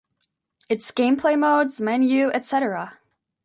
Its gameplay modes, menu, etc.